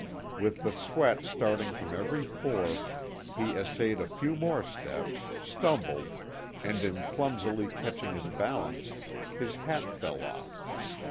With the sweat starting from every pore he essayed a few more steps, stumbled, and in clumsily catching his balance, his hat fell off.